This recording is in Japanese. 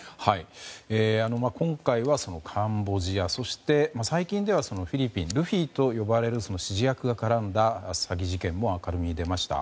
今回はカンボジアそして最近ではフィリピンルフィと名乗る指示役が絡んだ詐欺事件も明るみに出ました。